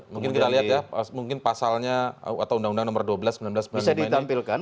mungkin kita lihat ya mungkin pasalnya atau undang undang nomor dua belas sembilan belas sembilan belas ini bisa ditampilkan